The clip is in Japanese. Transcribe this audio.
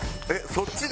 そっちで？